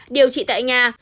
điều trị tại nhà